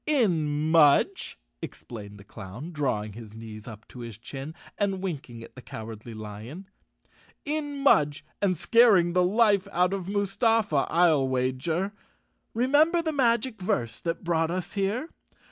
"In Mudge," explained the clown, drawing his knees U P to his chin and winking at the Cowardly Lion, *'in Mudge and scaring the life out of Mustafa, I'll 155 The Cowardly Lion of Oz _ wager. Remember the magic verse that brought us here?